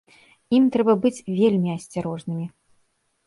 Ім трэба быць вельмі асцярожнымі.